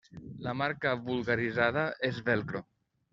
La marca vulgaritzada és Velcro.